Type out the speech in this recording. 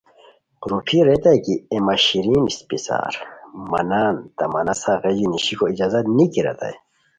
روپھی ریتائے کی اے مہ شیرین اسپڅار، مہ نان، تہ مہ نسہ غیژی نیشیکو اجازت نیکی ریتائے